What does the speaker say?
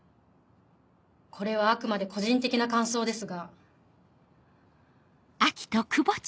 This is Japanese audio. これはあくまで個人的な感想ですが。